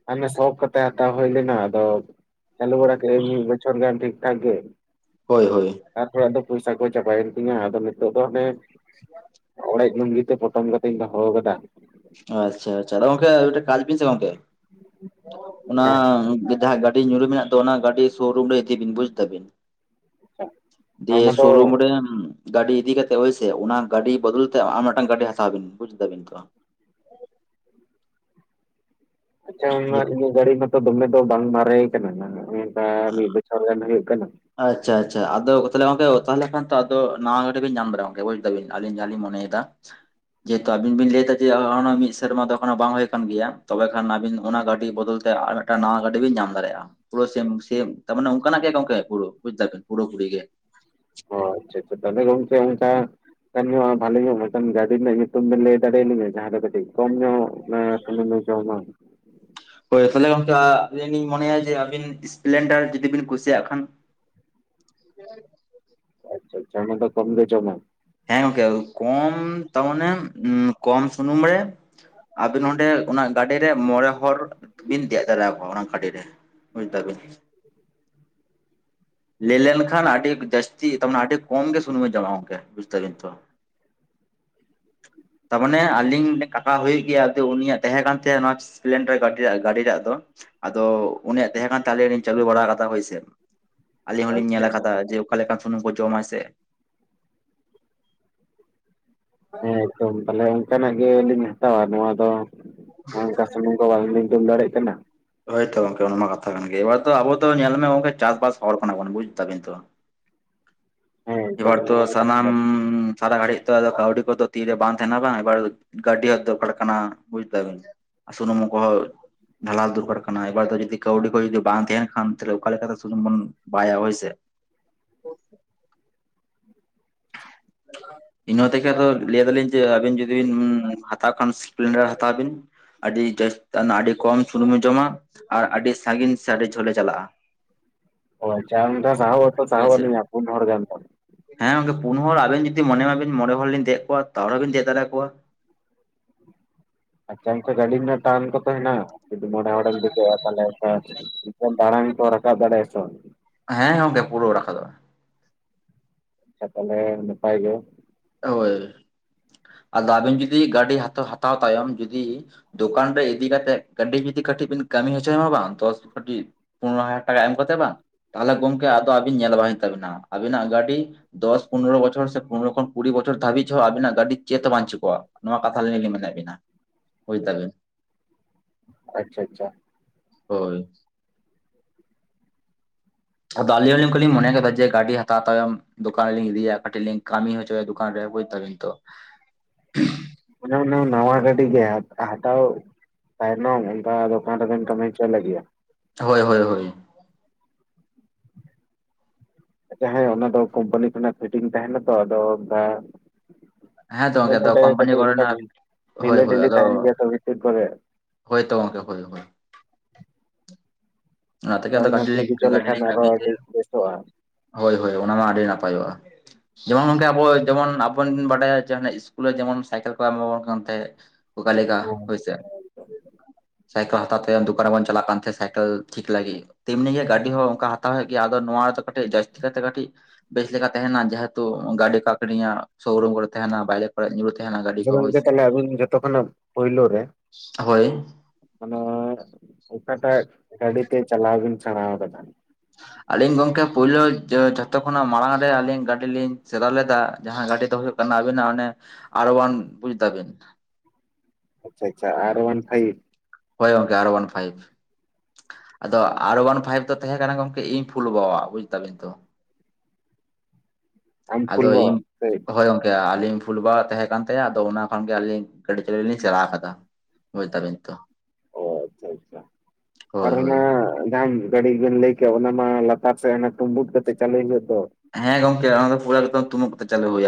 ᱦᱟᱱᱮ ᱥᱚᱠᱷ ᱠᱟᱛᱮ ᱦᱟᱛᱟᱣ ᱦᱩᱭ ᱞᱮᱱᱟ ᱟᱫᱚ ᱪᱟᱞᱩ ᱵᱟᱲᱟ ᱠᱮᱜ ᱤᱧ ᱢᱤᱫ ᱵᱚᱪᱷᱚᱨ ᱜᱟᱱ ᱴᱷᱤᱠ ᱴᱷᱟᱠ ᱜᱮ ᱦᱳᱭ ᱦᱳᱭ ᱛᱟᱨᱯᱚᱨᱮ ᱟᱫᱚ ᱯᱚᱭᱥᱟ ᱠᱚ ᱪᱟᱵᱟᱭᱮᱱ ᱛᱤᱧᱟ ᱟᱫᱚ ᱱᱤᱛᱚᱜ ᱫᱚ ᱦᱟᱱᱮ ᱚᱲᱮᱡ ᱞᱩᱝᱜᱤ ᱛᱮ ᱯᱚᱴᱚᱢ ᱠᱚ ᱤᱧ ᱫᱚᱦᱚᱣ ᱠᱟᱫᱟ ᱟᱪᱪᱷᱟ ᱟᱪᱪᱷᱟ ᱟᱫᱚ ᱜᱚᱢᱠᱮ ᱟᱨ ᱢᱤᱫᱴᱟᱝ ᱠᱟᱡ ᱵᱤᱱ ᱥᱮ ᱜᱚᱢᱠᱮ ᱚᱱᱟ ᱦᱮᱸ ᱡᱟᱦᱟ ᱜᱟᱼᱼ ᱼᱼᱰᱤ ᱧᱩᱨ ᱨᱮ ᱢᱮᱱᱟᱜ ᱫᱚ ᱚᱱᱟ ᱜᱟᱹᱰᱤ ᱥᱳᱨᱩᱢ ᱨᱮ ᱤᱫᱤ ᱵᱤᱱ ᱵᱩᱡ ᱫᱟᱵᱤᱱ ᱫᱤᱭᱮ ᱚᱱᱟ ᱫᱚ ᱥᱳᱨᱩᱢ ᱨᱮ ᱜᱟᱹᱰᱤ ᱤᱫᱤ ᱠᱟ ᱠᱟᱛᱮᱜ ᱦᱳᱭᱥᱮ ᱚᱱᱟ ᱜᱟᱹᱰᱤ ᱵᱚᱫᱚᱞ ᱛᱮ ᱟᱨ ᱢᱤᱫᱴᱟᱝ ᱜᱟᱹᱰᱤ ᱦᱟᱛᱟᱣ ᱵᱤᱱ ᱵᱩᱡ ᱮᱫᱟ ᱵᱤᱱ ᱛᱚ ᱟᱪᱪᱷᱟ ᱚᱱᱟ ᱱᱤᱛ ᱤᱧᱟᱹᱜ ᱜᱟᱹᱰᱤ ᱢᱟᱛᱚ ᱫᱚᱢᱮ ᱫᱚ ᱵᱟᱝ ᱢᱟᱨᱮ ᱠᱟᱱᱟ ᱟ ᱢᱤᱫ ᱵᱚᱪᱷᱚᱨ ᱜᱟᱱ ᱦᱩᱭᱩᱜ ᱠᱟᱱᱟ ᱟᱪᱪᱷᱟ ᱟᱪᱪᱷᱟ ᱟᱫᱚ ᱛᱟᱦᱚᱞᱮ ᱜᱚᱝᱠᱮ ᱛᱟᱦᱚᱞᱮ ᱠᱷᱟᱱ ᱛᱚ ᱟᱫᱚ ᱱᱟᱣᱟ ᱜᱟᱹᱰᱤ ᱵᱮᱱ ᱧᱟᱢ ᱫᱟᱲᱮᱭᱟᱜᱟ ᱜᱚᱝᱠᱮ ᱵᱩᱡ ᱮᱫᱟᱵᱤᱱ ᱟᱞᱤᱧ ᱡᱟᱦᱟᱸ ᱞᱤᱧ ᱢᱚᱱᱮᱭᱮᱫᱟ ᱫᱟ ᱡᱮᱦᱮᱛᱩ ᱟᱵᱤᱱ ᱵᱤᱱ ᱞᱟᱹᱭ ᱮᱫᱟ ᱡᱮ ᱚᱱᱟ ᱢᱤᱫ ᱥᱮᱨᱢᱟ ᱫᱚ ᱮᱠᱷᱚᱱᱳ ᱵᱟᱝ ᱦᱩᱭ ᱠᱟᱱ ᱜᱮᱭᱟ ᱛᱚᱵᱮ ᱠᱷᱟᱱ ᱟᱵᱤᱱ ᱚᱱᱟ ᱜᱟᱹᱰᱤ ᱵᱚᱫᱚᱞ ᱛᱮ ᱟᱨ ᱢᱤᱫᱴᱟᱝ ᱱᱟᱣᱟ ᱜᱟᱹᱰᱤ ᱵᱤᱱ ᱧᱟᱢ ᱫᱟᱲᱮᱭᱟᱜᱼᱟ ᱯᱩᱨᱟᱹ ᱥᱮᱢ ᱥᱮᱢ ᱛᱟᱨ ᱢᱟᱱᱮ ᱚᱱᱠᱟᱱᱟᱜ ᱜᱮ ᱜᱚᱝᱠᱮ ᱵᱩᱡ ᱮᱫᱟ ᱯᱩᱨᱟᱹᱯᱩᱨᱤ ᱜᱮ ᱚ ᱟᱪᱪᱷᱟ ᱟᱪᱪᱷᱟ ᱛᱟᱞᱮ ᱜᱚᱝᱠᱮ ᱚᱱᱠᱟ ᱮᱱ ᱧᱚᱜ ᱵᱷᱟᱞᱤ ᱧᱚᱜ ᱢᱤᱫᱴᱟᱱ ᱜᱟᱹᱰᱤ ᱨᱮᱱᱟᱜ ᱧᱩᱛᱩᱢ ᱵᱮᱱ ᱞᱟᱹᱭ ᱫᱟᱲᱮᱭᱟᱞᱤᱧᱟ ᱡᱟᱦᱟᱸᱨᱮ ᱠᱟᱹᱴᱤᱡ ᱠᱚᱢ ᱧᱚᱜ ᱢᱟ ᱥᱩᱱᱩᱢᱮ ᱡᱚᱢᱟ ᱦᱳᱭ ᱛᱟᱦᱚᱞᱮ ᱜᱚᱝᱠᱮ ᱟᱹᱵᱤᱱ ᱤᱧ ᱢᱚᱱᱮᱭᱟ ᱡᱮ ᱟᱹᱵᱤᱱ ᱤᱥᱯᱮᱞᱮᱱᱰᱟᱨ ᱡᱩᱫᱤ ᱵᱤᱱ ᱠᱩᱥᱤᱭᱟᱜ ᱠᱷᱟᱱ [unintelligible] ᱟᱪᱪᱷᱟ ᱪᱟ ᱚᱱᱟ ᱫᱚ ᱠᱚᱢ ᱜᱮ ᱡᱚᱢᱟ ᱦᱮᱸ ᱜᱚᱝᱠᱮ ᱟ ᱠᱚᱢ ᱛᱟᱨᱢᱟᱱᱮ ᱢᱟᱱᱮ ᱠᱚᱢ ᱥᱩᱱᱩᱢ ᱨᱮ ᱟᱵᱤᱱ ᱚᱸᱰᱮ ᱚᱱᱟ ᱜᱟᱹᱰᱤᱨᱮ ᱢᱚᱬᱮ ᱦᱚᱨ ᱵᱤᱱ ᱫᱮᱡ ᱫᱟᱲᱮᱭᱟᱠᱚᱣᱟ ᱚᱱᱟ ᱜᱟᱹᱰᱤᱨᱮ ᱵᱩᱡᱷ ᱫᱟᱵᱤᱱ ᱞᱮ ᱞᱮᱱ ᱠᱷᱟᱱ ᱟᱰᱤ ᱡᱥᱛᱤ ᱛᱟᱨᱢᱟᱱᱮ ᱟᱹᱰᱤ ᱠᱚᱢ ᱜᱮ ᱥᱩᱱᱩᱢᱮ ᱡᱚᱢ ᱟ ᱜᱟᱢᱠᱮ ᱛᱟᱵᱤᱱ ᱛᱚ [unintelligible] ᱛᱟᱨᱢᱟᱱᱮ ᱟᱞᱤᱧ ᱠᱟᱠᱟ ᱦᱩᱭᱩᱜ ᱜᱮᱭᱟ ᱟᱫᱚ ᱩᱱᱤᱭᱟᱜ ᱛᱟᱦᱮᱸ ᱠᱟᱱ ᱛᱟᱭᱟ ᱱᱚᱣᱟ ᱥᱯᱞᱮᱱᱰᱟᱨ ᱜᱟᱹᱰᱤ ᱟᱨ ᱜᱟᱹᱰᱤ ᱨᱮᱭᱟᱜ ᱫᱚ ᱟᱫᱚ ᱩᱱᱤᱭᱟᱜ ᱛᱟᱦᱮᱸ ᱠᱟᱱ ᱛᱟᱞᱮ ᱞᱤᱧ ᱪᱟᱹᱞᱩ ᱵᱟᱲᱟ ᱟᱠᱟᱫᱟ ᱦᱳᱭᱥᱮ ᱟᱹᱞᱤᱧ ᱦᱚᱞᱤᱧ ᱟᱪᱪᱷᱟ ᱧᱮᱞ ᱟᱪᱪᱷᱟ ᱟᱠᱟᱫᱟ ᱡᱮ ᱚᱠᱟᱞ ᱞᱮᱠᱟᱱ ᱥᱩᱱᱩᱢ ᱠᱚ ᱡᱚᱢᱟᱭ ᱥᱮ ᱦᱮᱸᱫᱚᱢ ᱛᱟᱦᱚᱞᱮ ᱚᱱᱠᱟᱱᱟᱜ ᱜᱮᱞᱤᱧ ᱦᱟᱛᱟᱣᱟ ᱱᱚᱣᱟ ᱫᱚ ᱚᱱᱠᱟ ᱥᱚᱢᱚᱭ ᱛᱚ ᱵᱟᱝ ᱞᱤᱧ ᱛᱩᱞ ᱫᱟᱲᱮᱜ ᱠᱟᱱᱟ ᱦᱳᱭᱛᱚ ᱜᱚᱝᱠᱮ ᱚᱱᱟ ᱢᱟ ᱠᱟᱛᱷᱟ ᱠᱟᱱ ᱜᱮ ᱮᱵᱟᱨᱚ ᱟᱵᱚ ᱧᱮᱞ ᱢᱮ ᱜᱚᱝᱠᱮ ᱪᱟᱥᱵᱟᱥ ᱦᱚᱲ ᱠᱟᱱᱟᱵᱚᱱ ᱵᱩᱡ ᱛᱟᱵᱤᱱ ᱛᱚ ᱦᱮᱸ ᱮᱠᱫᱚᱢ ᱤᱵᱟᱨ ᱛ ᱱᱚᱣᱟ ᱦᱚᱸ ᱠᱟᱛᱷᱟ ᱥᱟᱱᱟᱢ ᱠᱟᱱ ᱥᱟᱨᱟ ᱜᱷᱟᱹᱲᱤᱡ ᱛ ᱠᱟᱹᱣᱰᱤ ᱠᱚᱫᱚ ᱛᱤᱨᱮ ᱵᱟᱝ ᱛᱟᱦᱮᱱᱟ ᱵᱟᱝ ᱮᱵᱟᱨ ᱜᱟᱹᱰᱤ ᱦᱚᱸ ᱫᱚᱨᱠᱟᱨ ᱠᱟᱱᱟ ᱵᱩᱡ ᱫᱟᱵᱮᱱ ᱟᱥᱩᱱᱢ ᱠᱚ ᱰᱷᱟᱞᱟᱳ ᱫᱚᱨᱠᱟᱨ ᱠᱟᱱᱟ ᱮᱵᱟᱨ ᱫᱚ ᱡᱫᱤ ᱠᱟᱹᱣᱰᱤ ᱠᱚ ᱡᱩᱫᱤ ᱵᱟᱝ ᱛᱟᱦᱮᱱ ᱠᱷᱟᱱ ᱛᱟᱦᱚᱞᱮ ᱚᱠᱟ ᱞᱮᱠᱟᱛᱮ ᱥᱩᱱᱩᱢ ᱵᱚᱱ ᱵᱟᱭᱟ ᱦᱚᱭ ᱥᱮ [unintelligible] ᱤᱱᱟᱹ ᱛᱮᱜᱮ ᱟᱫᱚ ᱞᱟᱹᱭ ᱟᱫᱟᱞᱤᱧ ᱡᱮ ᱟᱹᱵᱤᱱ ᱡᱩᱫᱤ ᱵᱤᱱ ᱦᱟᱛᱟᱣ ᱠᱷᱟᱱ ᱥᱯᱮᱞᱮᱱᱰᱟᱨ ᱦᱟᱛᱟᱣ ᱵᱤᱱ ᱟᱹᱰᱤ ᱡᱟᱹᱥᱛᱤ ᱟᱹᱰᱤ ᱠᱚᱢ ᱥᱩᱱᱩᱢᱮ ᱡᱚᱢᱟ ᱟᱨ ᱟᱹᱰᱤ ᱥᱟᱺᱜᱤᱧ ᱥᱮ ᱟᱹᱰᱤ ᱡᱷᱟᱹᱞᱮ ᱪᱟᱞᱟᱜᱼᱟ ᱦᱭ ᱪᱟᱨ ᱱᱚᱱᱠᱷᱟᱨᱟᱥᱟᱣᱟ ᱛ ᱪᱟᱣᱟ ᱦᱳᱭᱥᱮ ᱯᱩᱱ ᱦᱚᱲ ᱜᱟᱱ ᱫᱚ ᱦᱮᱸ ᱜᱚᱝᱠᱮ ᱯᱩᱱ ᱦᱚᱲ ᱟᱵᱮᱱ ᱡᱩᱫᱤ ᱢᱚᱱᱮ ᱢᱟᱵᱮᱱ ᱢᱬᱮ ᱦᱚᱲᱤᱧ ᱫᱮᱡ ᱠᱚᱣᱟ ᱛᱟᱦᱚᱨᱮᱵᱮᱱ ᱫᱮᱡ ᱫᱟᱲᱮ ᱟᱠᱚᱣᱟ ᱟᱪᱷᱟ ᱠᱟ ᱜᱟᱹᱰᱤ ᱨᱮᱱᱟᱜ ᱴᱟᱨᱟᱱ ᱠᱚᱛ ᱦᱮᱱᱟᱜ ᱡᱩᱫᱤ ᱢᱚᱬᱮ ᱦᱚᱲᱮᱢ ᱫᱮᱠᱟᱹᱜᱼᱟ ᱛᱟᱦᱚᱞᱮ ᱚ ᱫᱟᱲᱟᱟᱝ ᱠᱚ ᱨᱟᱠᱟᱵ ᱫᱟᱲᱟ ᱮᱥᱮ ᱵᱟᱝ ᱦᱮᱸ ᱜᱚᱢᱠᱮ ᱯᱩᱨᱟᱹ ᱨᱟᱠᱟᱷᱟ ᱫᱚᱼᱟ ᱟᱪᱷᱟ ᱛᱟᱦᱚᱞᱮ ᱱᱟᱯᱟᱭ ᱜᱮ ᱳᱭ ᱟᱫᱚ ᱟᱵᱤᱱ ᱡᱩᱫᱤ ᱜᱟᱹᱰᱤ ᱦᱟᱛ ᱦᱟᱛᱟᱣ ᱛᱟᱭᱚᱢ ᱡᱩᱫᱤ ᱫᱚᱠᱟᱱ ᱨᱮ ᱤᱫᱤ ᱠᱟᱛᱮᱜ ᱜᱟᱰᱤ ᱡᱩᱫᱤ ᱠᱟᱹᱴᱤᱡ ᱵᱮᱱ ᱠᱟᱹᱢᱤ ᱦᱚᱪᱚᱭ ᱵᱟᱝ ᱫᱚᱥ ᱯᱚᱱᱨᱚ ᱦᱟᱡᱟᱨ ᱴᱟᱠᱟ ᱮᱢ ᱠᱚᱛᱮ ᱵᱟᱝ ᱛᱟᱦᱚᱞᱮ ᱜᱚᱝᱠᱮ ᱟᱫᱚ ᱟᱵᱤᱱ ᱧᱮᱞ ᱵᱟᱝ ᱦᱩᱭᱩᱜ ᱛᱟᱵᱤᱱᱟ ᱟᱵᱤᱱᱟᱜ ᱜᱟᱹᱰᱤ ᱫᱚᱥ ᱯᱚᱱᱨᱚ ᱵᱚᱪᱷᱚᱨ ᱥᱮ ᱯᱚᱱᱨᱚ ᱠᱷᱚᱱ ᱠᱩᱲᱤ ᱵᱪᱚᱨ ᱫᱷᱟᱹᱤᱡ ᱦᱚᱸᱚ ᱟᱵᱤᱱᱟᱜ ᱜᱟᱹᱰᱤ ᱪᱮᱫ ᱦᱚᱸ ᱵᱟᱝᱧᱪᱤᱠ ᱠᱚᱚᱜᱼᱟ ᱱᱚᱣᱟ ᱠᱟᱛᱷᱟᱞᱤᱧ ᱞᱤᱧ ᱢᱮᱱᱮᱫ ᱵᱤᱱᱟ ᱦᱭ ᱛᱟᱞᱮ ᱟᱪᱷᱟ ᱟᱪᱷᱟ ᱦᱳᱭ ᱟᱫᱚ ᱟᱟᱞᱞᱤᱞᱤᱧ ᱠᱚᱞᱤᱧ ᱢᱚᱱᱮ ᱠᱮᱫᱟ ᱡᱮ ᱜᱟᱹᱰᱤ ᱦᱟᱛᱟᱣ ᱛᱟᱭᱚᱢ ᱫᱚᱠᱟᱱ ᱨᱮᱞᱤᱧ ᱤᱫᱤᱭᱟ ᱠᱟᱹᱴᱤᱡ ᱞᱤᱧ ᱠᱟᱹᱢᱤ ᱦᱚᱪᱚᱭᱟ ᱫᱚᱠᱟᱱ ᱨᱮ ᱵᱩᱡ ᱫᱟᱵᱤᱱ ᱛᱚ ᱚᱱᱟ ᱱᱟᱣᱟ ᱜᱟᱵᱤ ᱜᱮ ᱦᱟᱴᱟᱣ ᱛᱟᱭᱟᱭᱱᱟᱠᱟ ᱫᱚᱠᱟᱱ ᱨᱮᱵᱮᱱ ᱠᱟᱹᱢᱤ ᱪᱚ ᱞᱟᱜ ᱜᱮᱭᱟ ᱦᱳᱭ ᱦᱳᱭ ᱦᱳᱭ ᱟᱪᱷᱟ ᱦᱮᱸ ᱚᱱᱟ ᱫᱚ ᱠᱳᱢᱯᱟᱱᱤ ᱠᱚᱱᱟᱜ ᱯᱷᱤᱴᱤᱝ ᱛᱟᱦᱮᱱᱟᱛᱚ ᱟᱫᱚ ᱚᱱᱰᱮ ᱦᱮᱸ ᱛᱚ ᱜᱚᱝᱠᱮ ᱟᱫᱚ ᱠᱳᱢᱯᱟᱱᱤ ᱠᱚᱨᱮᱱᱟᱜ ᱠᱟᱴᱤᱡ ᱦᱳᱭ ᱰᱷᱤᱞᱟᱹ ᱰᱷᱤᱞᱤ ᱛᱟᱦᱮᱱ ᱜᱮᱭᱟ ᱛᱚ ᱵᱷᱤᱛᱤᱨ ᱠᱚᱨᱮ ᱦᱳᱭᱚ ᱜᱚᱢᱠᱮ ᱦᱳᱭ ᱦᱳᱭ ᱚᱱᱟᱛᱮᱜᱮ ᱟᱫᱚ ᱜᱟᱹ ᱚᱱᱟ ᱴᱷᱤᱠ ᱦᱚᱪᱚ ᱜᱟᱹᱴ ᱞᱤᱧ ᱞᱮᱠᱷᱟᱱ ᱟᱨᱚ ᱠᱟᱹᱢᱤ ᱟᱹᱰᱤ ᱦᱚᱪᱚᱭᱟ ᱵᱮᱥᱚᱜᱼᱟ ᱦᱳᱭ ᱦᱳᱭ ᱚᱱᱟ ᱢᱟ ᱟᱹᱰᱤ ᱱᱟᱯᱟᱭᱚᱜᱼᱟ [unintelligible] ᱡᱮᱢᱚᱱ ᱱᱚᱝᱠᱮ ᱟᱵᱚ ᱡᱮᱢᱚᱱ ᱟᱵᱚᱚᱱ ᱵᱚᱱ ᱵᱟᱰᱟᱭᱟ ᱡᱮ ᱤᱥᱠᱩᱞ ᱨᱮ ᱡᱮᱢᱚᱱ ᱥᱟᱭᱠᱮᱞ ᱠᱚ ᱮᱢᱟᱵᱚᱱ ᱠᱟᱱ ᱛᱟᱦᱮᱸᱫ ᱚᱠᱟ ᱞᱮᱠᱟ ᱦᱮᱸ ᱦᱮᱸ ᱦᱳᱭ ᱥᱮ ᱛᱚ ᱥᱟᱭᱠᱮᱞ ᱦᱟᱛᱟᱣ ᱛᱮ ᱫᱚᱠᱟᱱ ᱨᱮ ᱵᱚᱱ ᱪᱟᱞᱟᱜ ᱠᱟᱱ ᱛᱟᱦᱮᱸ ᱥᱟᱭᱠᱮᱞ ᱴᱷᱤᱠ ᱞᱟᱹᱜᱤᱫ ᱛᱮᱢᱱᱤ ᱜᱮ ᱜᱟᱹᱰᱤ ᱦᱚᱸ ᱚᱱᱠᱟ ᱦᱟᱛᱟᱣ ᱦᱩᱭᱩᱜ ᱜᱮᱭᱟ ᱟᱫᱚ ᱱᱚᱣᱟ ᱨᱮᱫᱚ ᱠᱟᱹᱴᱤᱡ ᱡᱟᱹᱥᱛᱤ ᱠᱟᱹᱭᱛᱮ ᱠᱟᱹᱴᱤᱡ ᱵᱮᱥ ᱞᱮᱠᱟ ᱛᱟᱦᱮᱱᱟ ᱡᱮᱦᱮᱛᱩ ᱜᱟᱹᱰᱤ ᱠᱟᱠᱲᱤᱭᱟᱜ ᱥᱳᱨᱩᱢ ᱠᱚᱨᱮ ᱛᱟᱦᱮᱱᱟ ᱵᱟᱡᱟᱨ ᱠᱚᱨᱮ ᱧᱩᱨ ᱛᱮᱦᱮ ᱱᱟ ᱜᱟᱹᱰᱤ ᱟᱪᱪᱷᱟ ᱠᱚ ᱦᱳᱭ ᱜᱚᱝᱠᱮ ᱥᱮ ᱛᱟᱦᱚᱞᱮ ᱟᱹᱵᱤᱱ ᱡᱚᱛᱚ ᱠᱷᱚᱱᱟᱜ ᱯᱳᱭᱞᱳ ᱨᱮ ᱦᱳᱭ ᱢᱟᱱᱮ ᱚᱠᱟᱴᱟᱜ ᱜᱟᱹᱰᱤ ᱛᱮ ᱪᱟᱞᱟᱣ ᱵᱮᱤᱱ ᱥᱮᱬᱟ ᱠᱟᱫᱟ ᱟᱞᱤᱧ ᱜᱚᱝᱠᱮ ᱯᱳᱭᱞᱳ ᱡᱷᱚᱛᱚ ᱠᱷᱚᱱᱟᱜ ᱢᱟᱲᱟᱝ ᱨᱮ ᱟᱹᱞᱤᱧ ᱜᱟᱹᱰᱤ ᱞᱤᱧ ᱥᱮᱫᱟ ᱞᱮᱫᱟ ᱡᱟᱦᱟᱸ ᱜᱟᱹᱰᱤ ᱫᱚ ᱦᱩᱭᱩᱜ ᱟᱵᱤᱱᱟᱜ ᱟᱨ ᱚᱣᱟᱱ ᱵᱩᱡ ᱫᱟᱵᱤᱱ ᱟᱪᱷᱟ ᱟᱪᱷᱟ ᱟᱨ ᱚᱣᱟᱱ ᱯᱷᱟᱭᱤᱯ ᱦᱳᱭ ᱚᱝᱠᱮ ᱟᱨᱳᱟᱱ ᱯᱷᱟᱭᱤᱵᱷ ᱟᱫᱚ ᱟᱨᱚᱣᱟᱱ ᱯᱷᱟᱭᱤᱵ ᱫᱚ ᱛᱟᱦᱮᱸ ᱠᱟᱱᱟ ᱜᱚᱢᱠᱮ ᱤᱧ ᱯᱷᱩᱞ ᱵᱟᱟᱣ ᱵᱩᱡ ᱛᱟᱵᱤᱱ ᱛᱚ᱾ ᱟᱢ ᱯᱷᱩᱞ ᱟᱫᱚ ᱵᱟᱵᱟ ᱤᱧ ᱥᱮ ᱦᱳᱭ ᱜᱚᱝᱠᱮ ᱟᱹᱞᱤᱧ ᱯᱷᱩᱞ ᱵᱟᱜ ᱛᱟᱦᱮᱸ ᱠᱟᱱ ᱛᱟᱭᱟ ᱟᱫᱚ ᱚᱱᱟ ᱠᱷᱚᱱᱜᱮ ᱟᱹᱞᱤᱧ ᱜᱟᱹᱰᱤ ᱪᱟᱹᱞᱩ ᱞᱤᱧ ᱪᱟᱞᱟᱣ ᱟᱠᱟᱫᱟ ᱵᱩᱡᱽᱫᱟᱵᱤᱱ ᱛᱚ᱾ ᱚ ᱟᱪᱷᱟ ᱟᱪᱷᱟ ᱟᱨ ᱦᱳᱭ ᱦᱳᱭ ᱚᱱᱟ ᱡᱟᱦᱟᱢ ᱜᱟᱹᱰᱤ ᱵᱮᱱ ᱞᱟᱹᱭ ᱠᱮᱫ ᱚᱱᱟ ᱢᱟ ᱞᱟᱛᱟᱨ ᱥᱮᱱ ᱛᱩᱸᱵᱩᱫ ᱠᱟᱛᱮᱫ ᱪᱟᱹᱞᱩᱭ ᱦᱩᱭᱩᱜ ᱫᱚ ᱦᱮᱸ ᱜᱚᱝᱠᱮ ᱚᱱᱟ ᱫᱚ ᱯᱩᱨᱟᱹ ᱮᱠᱫᱚᱢ ᱛᱩᱢᱩᱜ ᱠᱟᱛᱮ ᱪᱟᱞᱩ ᱦᱩᱭᱩᱜᱼᱟ